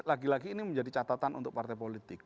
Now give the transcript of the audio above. lagi lagi ini menjadi catatan untuk partai politik